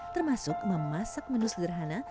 termasuk memasak menu sederhana